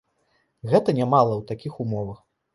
Гэта нямала ў такіх умовах.